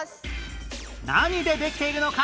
何でできているのか？